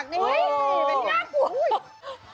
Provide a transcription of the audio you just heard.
แห่หน้ากลัว